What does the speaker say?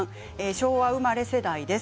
昭和生まれ世代です。